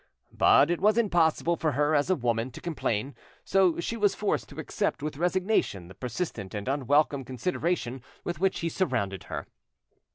But it was impossible for her as a woman to complain, so she was forced to accept with resignation the persistent and unwelcome consideration with which he surrounded her.